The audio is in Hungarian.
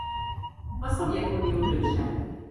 A Szovjetunió Hőse.